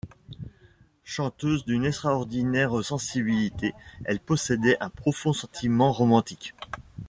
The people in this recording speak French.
Chanteuse d'une extraordinaire sensibilité, elle possédait un profond sentiment romantique.